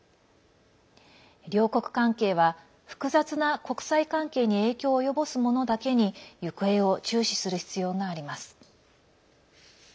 両国関係は複雑な国際関係に影響を及ぼすものだけに行方を注視する必要があります。